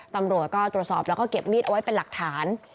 ตำรวจก็ตรวจสอบแล้วก็เก็บมีดเอาไว้เป็นหลักฐาน